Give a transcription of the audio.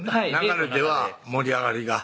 流れでは盛り上がりがはい